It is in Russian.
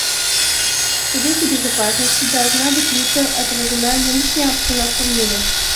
В Совете Безопасности должна быть лучше отражена нынешняя обстановка в мире.